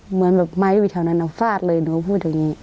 เหมือนแบบไม้อยู่แถวนั้นเอาฟาดเลยหนูพูดอย่างนี้